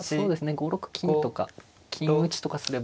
５六金とか金打ちとかすれば。